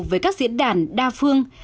với các diễn đàn đa phương